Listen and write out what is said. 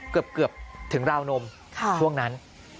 เกือบถึงราวนมช่วงนั้น